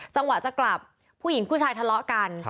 จังหวะจะกลับผู้หญิงผู้ชายทะเลาะกัน